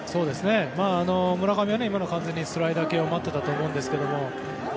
村上は今のは完全にスライダー系を待っていたと思うんですが。